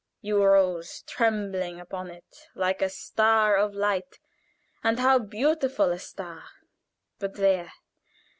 You rose trembling upon it like a star of light, and how beautiful a star! But there!